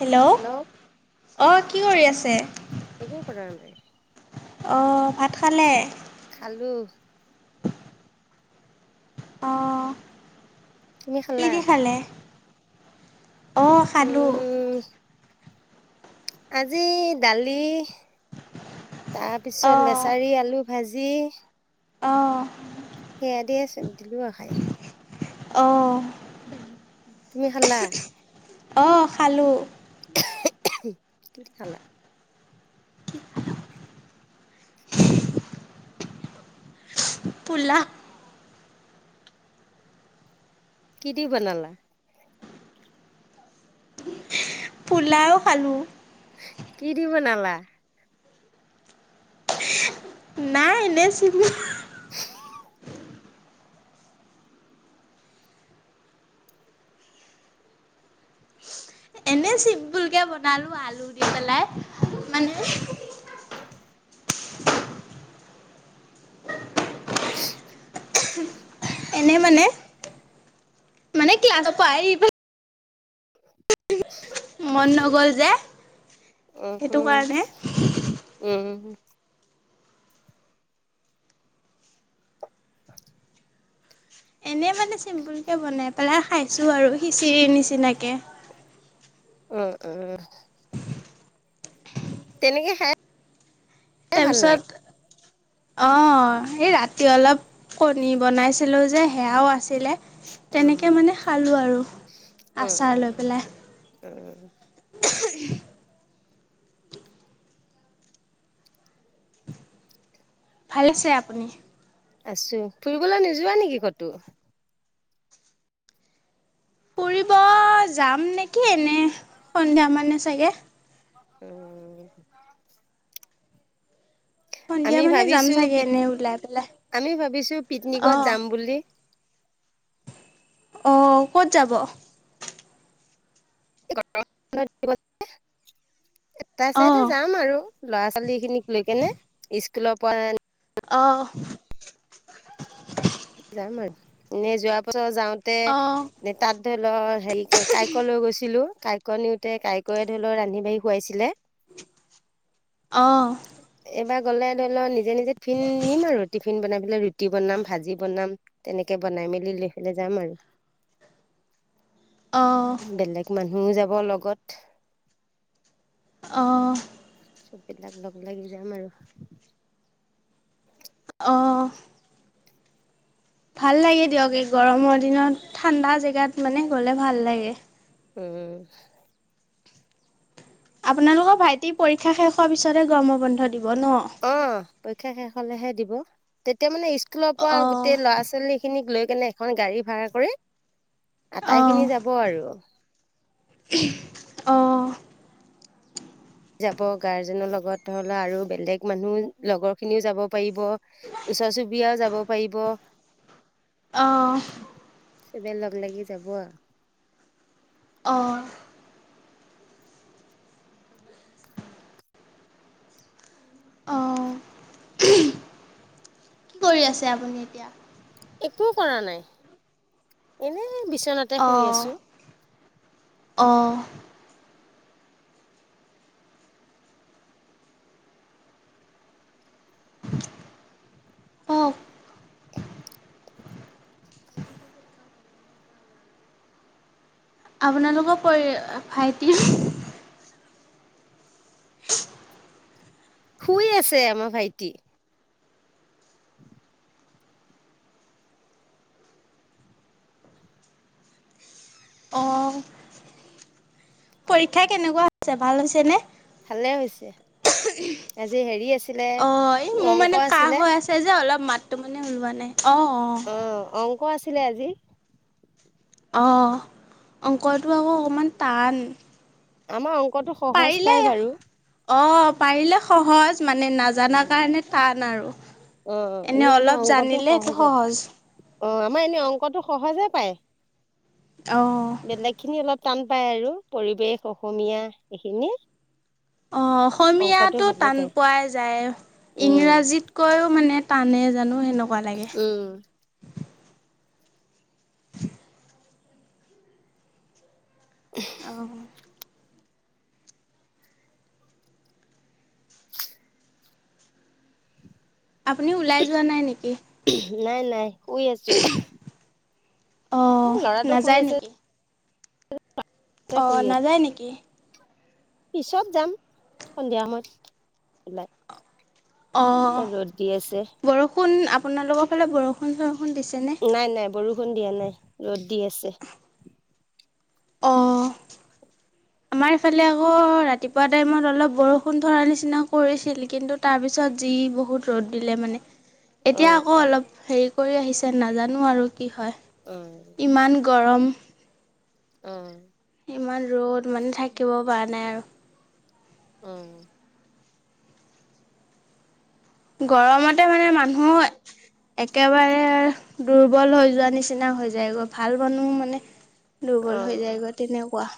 Hello অ', কি কৰি আছে? একো কৰা নাই। অ', ভাত খালে? খালোঁ। অ'। তুমি খালা। অ', খালো। উম, আজি দালি তাৰপিছত লেচাৰী আলু ভাজি। অ', সেয়া দিয় আছে দিলো আহ খাই। অ', তুমি খালা। অ', খালো। কি খালা। [unintelligible] ফুুলা [unintelligible] কি দি বনালা। পোলাও খালোঁ। কি দি বনালা। নাই এনে চিনি এনে চিম্পুল কে বনালো আলু দি পেলাই মানে [unintelligible] [unintelligible] এনে মানে মানে ক্লাছৰ পৰা আহ মন নগ'ল যে উম, সেইটো উম, কাৰণে উম, এনেই মানে চিম্পুলকে বনাই পেলাই খাইছো আৰু খিচিৰি নিচিনাকে। [unintelligible] উম, উম, উ। তেনেকে খা তাৰ পিছত অ', এই ৰাতি অলপ কণী বনাইছিলো যে সেয়াও আছিলে। উম। তেনেকে মানে খালোঁ আৰু আচাৰ লৈ পেলাই। উ। [unintelligible] ভাল আছে আপুনি। আছো ফুৰিবলৈ নোযোৱা নেকি কতো। ফুৰিব যাম নেকি এনে সন্ধিয়া মানে চাগে। উম। সন্ধিয়া আমি মানে যাম ভাবিছো চাগে পিক এনে ওলাই পেলাই। আমি ভাবিছো পিকনিকত অ', যাম বুলি আহ ক'ত যাব। [unintelligible] এটা চাইডে যাম আৰু ল'ৰা ছোৱালী খিনিক লৈ কেনে স্কুলৰ পৰা আহ। ন যোৱা পাছত যাওঁতে ন তাত ধৰি লও হেৰি কাইকলৈ গৈছিলো। কাইক নিওঁতে কাইকে ধৰি লওক ৰান্ধি বাঢ়ি খুৱাইছিলে। অ', এইবাৰ গলে ধৰি লও নি নিজে নিজে টিফিন নিম আৰু টিফিন বনাই পেলাই ৰুটিনাম ভাজি বনাম তেনেকে বনাই মেলি লৈ পলে যাম আৰু অ', বেলেগ মানুহও যাব লগত। আহ। চববিলাক লগ লাগি যাম আৰু অ',। ভাল লাগে দিয়ক এই গৰমৰ দিনত ঠাণ্ডা জেগাত মানে গলে ভাল লাগে। উম। আপোনালোকৰ ভাইটিৰ পৰীক্ষা শেষ হোৱাৰ পিছতহে গৰমৰ বন্ধ দিব ন? অ', পৰীক্ষা শেষ হ'লেহে দিব তেতিয়া মানে ইচ কুলৰ পৰা অ', গোটেই ল'ৰা-ছোৱালীখিনিক লৈ কেনে এখন গাড়ী ভাড়া কৰি আটাইখিনি অ', যাব আৰু। অ', যাব গাৰ্জেনৰ লগত ধৰি লওঁ আৰু বেলেগ মানুহ লগৰখিনিও যাব পাৰিব। ওচৰ-চুবুৰীয়াও যাব পাৰিব। অ', চবে লগ লাগি যাব আৰু। অ'। অ', কি কৰি আছে আপুনি এতিয়া? একো কৰা নাই, এনে বিচ তে তাতে শুই অ', আছোঁ। অ', অ'ফ। আপোনালোকৰ পৰি ভাইটিৰ শুই আছে আমাৰ ভাইটি। অ', পৰীক্ষা কেনেকুৱা হৈছে? ভাল হৈছে নে? ভালে হৈছে। আজি হেৰি আছিলে অ', মোৰ অংক মানে কাঁহ আছিলে হৈ আছে যে অলপ মাতটো মানে ওলোৱা নাই অ',। অ', অংক আছিলে আজি। অহ, অংকটো আকৌ অকণমান টান। আমাৰ অংকটো সহজ পায় পাৰিলে বাৰু। অ', পাৰিলে সহজ মানে অ নাজানাৰ কাৰণে টান আৰু। অ এনে এনেই আমাৰ অলপ অংকটো জানিলে সহজে সহজ। অ', আমাৰ এনে অংকটো সহজে পায়, অ', বেলেগখিনি অলপ টান পায় আৰু পৰিৱেশ, অসমীয়া সেইখিনি। অ', অসমীয়াটো টান পায় পোৱাই যায়, উম ইংৰাজীতকৈও মানে টানেই জানো সেনেকুৱা লাগে। অহ। আপুনিও ওলাই যোৱা নাই নেকি? নাই, নাই শুই আছোঁ। অ', নাযায় নেকি? শুই অ', আছো নাযায় নেকি? পিছত যাম, সন্ধিয়া সময়ত ওলাই। অ' এতিয়া ৰ'দ দি আছে বৰষুণ আপোনালোকৰ ফালে বৰষুণ চ নাই নাই বৰষুণ দিয়া নাই ৰ'দ দি আছে। অ'। আমাৰ ইফালে আকৌ ৰাতিপুৱা টাইমত অলপ বৰষুণ ধৰা নিচিনা কৰিছিল কিন্তু তাৰপিছত দি বহুত ৰ'দ দিলে মানে। অ এতিয়া আকৌ অ অলপ হেৰি কৰি আহিছে নাজানো আৰু কি হয় অ ইমান গৰম। অ ইমান ৰ'দ মানে থাকিব পৰা নাই আৰু। উম। গৰমতে মানে মানুহ একেবাৰে দুৰ্বল হৈ যোৱা নিচিনা হৈ যায়গৈ ভাল মানুহ মানে অ দুৰ্বল হৈ যায়গৈ তেনেকুৱা।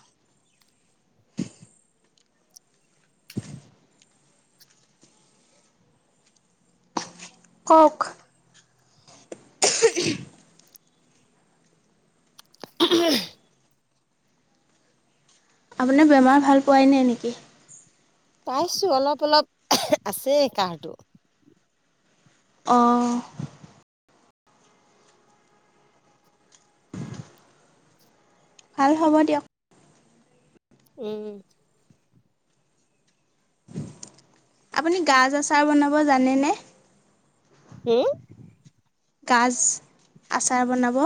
কওঁক। [inaudible] [inaudible] আপোনাৰ বেমাৰ ভাল পোৱই নাই নেকি? পাইছো অলপ অলপ আছে কাঁহটো। অ'। ভাল হ'ব দিয়ক। উম। আপুনি গাজ আচাৰ বনাব জানেনে? হম? গাজ আচাৰ বনাব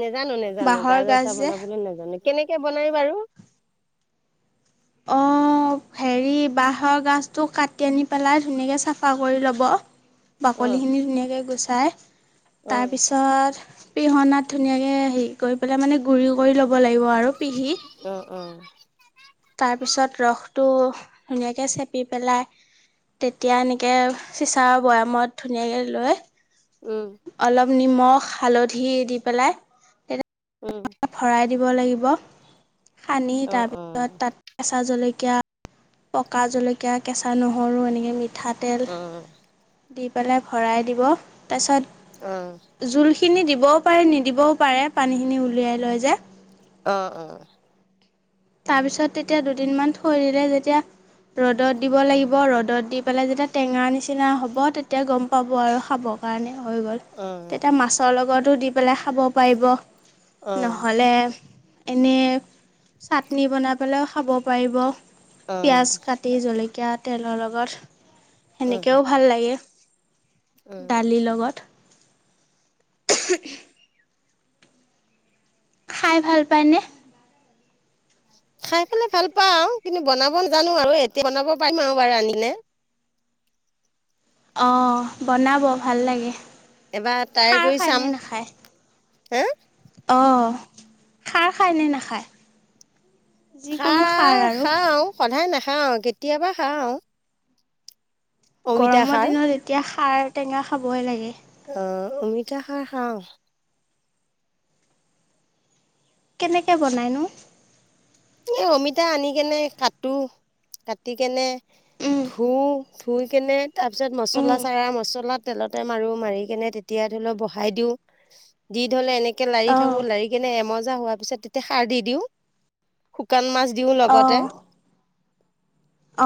নেজানো। নেজানো। বাঁহৰ গাজ আচাৰ যে বনাবলৈ নাজানো। কেনেকে বনাই বাৰু? অ হেৰি বাঁহৰ গাজটো কাটি আনি পেলাই ধুনীয়াকৈ চাফা কৰি ল'ব। অ বাকলিখিনি ধুনীয়াকৈ গুচাই, অ তাৰপিছত পিহনাত ধুনীয়াকে হেৰি কৰি পেলাই মানে গুৰি কৰি ল'ব লাগিব আৰু। পিহি অ'হ। তাৰপিছত ৰসটো ধুনীয়াকৈ চেপি পেলাই তেতিয়া এনেকে চিচাৰ বৈয়ামত ধুনীয়াকে লৈ উম। অলপ নিমখ, হালধি দি পেলাই উম ভৰাই দিব লাগিব। সানি। অ অ তাৰপিছত তাত কেঁচা জলকীয়া জলকীয়া, পকা জলকীয়া, কেঁচা নহৰু এনেকে মিঠাতেল অ দি পেলাই ভৰাই দিব। অ অ তাছট খিনি দিবও পাৰে, নিদিবও পাৰে, পানীখিনি উলিয়াই লয় যে। অহ। অহ। তাৰপিছত তেতিয়া দুদিনমান থৈ দিলে যেতিয়া ৰ'দত দিব লাগিব। ৰ'দত দি পেলাই যেতিয়া টেঙা নিচিনা হ'ব -ব, তেতিয়া গম পাব আৰু, খাব কাৰণে হৈ গল। তেতিয়া মাছৰ লগতো দি পে -লাই খাব পাৰিব। অ অ নহ'লে এনেই চাটনি বনাই পেলাইও খাব পাৰিব। পিয়াজ কাটি, জলকীয়া জলকীয়া তেল লগত, উম সেনেকেও ভাল লাগে। উম দালিৰ লগত। খাই ভাল পায়নে? খাই পেলাই ভাল পাওঁ। কিন্তু বনাব নাজানো আৰু, এতিয়া বনাব পাৰিম আৰু। এবাৰ আনিলে। অ বনাব। ভাল লাগে। এবাৰ ট্ৰাই খাৰ কৰি চাম। হা অ'হ। খাৰ খায় নে নাখায়? যিকোনো খাৰ আৰু খাওঁ। সদায় নাখাওঁ। কেতিয়াবা খাওঁ। অমিতা গৰমৰ খাৰ দিনত এতিয়া খাৰ -টেঙা খাবই লাগে। অহ। অমিতা খাৰ খাওঁ। কেনেকে বনাইনো? এ অমিতা আনি কেনে কাটো। কাটি কেনে উম ধুও ধুই কেনে তাৰপিছত উম মছলা চাৰা মছলাত তেলতে মাৰো। মাৰি কেনে তেতিয়া ধৰি ল বহাই দিওঁ। দি হলে এনে কে লাৰি অঁ থাকো। লাৰি কেনে এমজা হোৱাৰ পিছত তেতিয়া সাৰ দি দিওঁ। শুকান মাছ দিওঁ লগতে অঁ [inaudible]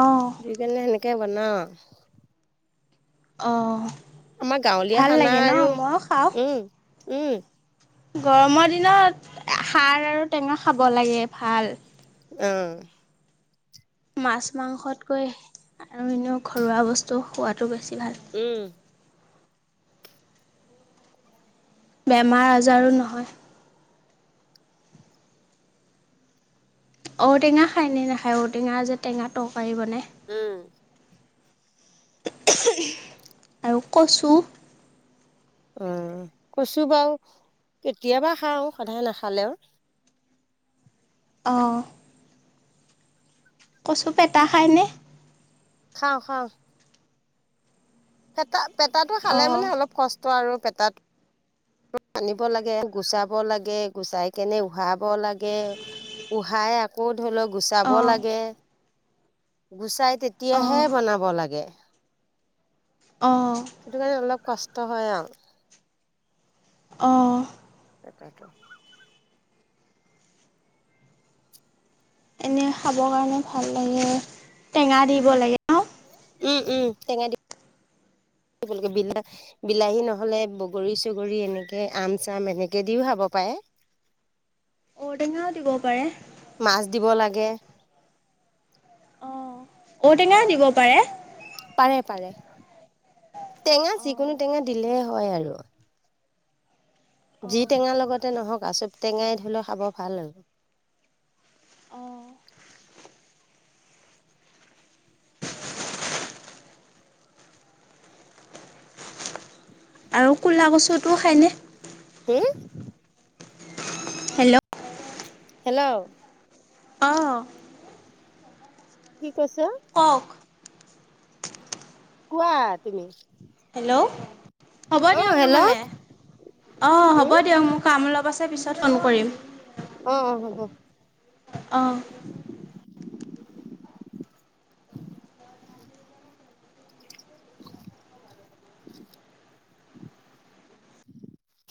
অঁ দি কেনে এনেকে বনাও আও। অহ। আমাৰ গাঁৱলীয়া খানা আৰু। খাওঁ উম। উম। গৰমৰ দিনত খাৰ আৰু টেঙা খাব লাগে। ভাল। অহ। মাছ- মাংসতকৈ আৰু এনেও ঘৰুৱা বস্তু খোৱাতো বেছি ভাল উম। বেমাৰ-আজাৰো নহয়। ঔটেঙা খাই নে নাখায়? ঔটেঙা যে টেঙা তৰকাৰী বনায়। উম। আৰু কচু [inaudible] অ' কৈছো বাৰু কেতিয়াবা খাওঁ সদায় নাখালেও অ [inaudible] কচু পেতা খায়নে খাও খাও পেতাটো খালে অঁ মানে অলপ কষ্ট আৰু পেতাটো আনিব লাগে গুচাব লাগে গুচাই কেনে উহা লাগে উহাই আকৌ ধৰি লও গুচাব অঁ লাগে গুচাই তেতিয়াহে অঁ বনাব লাগে। অ [inaudible] সেইটো কাৰণে অলপ কষ্ট হয় আৰু অ' কটাটো [inaudible] এনে খাব কাৰণে ভাল লাগে টেঙা দিব লাগে অ উম, উম, তেঙা দি [inaudible] বিলাহ বিলাহী নহলে বগৰী চগৰী এনেকে আম চাম এনেকে দিও খাব পাৰে। ঔটেঙাও দিব পাৰে। মাছ দিব লাগে। অ', ঔটেঙাও দিব পাৰে। পাৰে পাৰে। টেঙা অঁ যিকোনো টেঙা দিলে হয় আৰু। যি অঁ টেঙা লগতে নহওক আচব টেঙাই ধৰিলেও খাব ভাল আৰু। অ। আৰু ক'লা কছুটোও খায়নে? হু, হেল্ল' হেল্ল'। অঁ কি কৈছা? কওক কোৱা তুমি। হেল্ল' হ'ব অ দিয়ক হেল্ল' নহ'লে, অ, হ'ব উম দিয়ক মোৰ কাম অলপ পাছে পিছত ফোন কৰিম। অ, অ, হব। অ'। [inaudible]